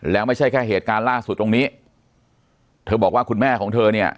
แล้วไม่ใช่แค่เหตุการณ์ล่าสุดตรงนี้เธอบอกว่าคุณแม่ของเธอเนี่ย